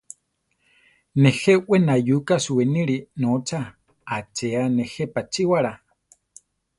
Nejé we nayuka suwinire notza, aacheyá nejé pachíwara.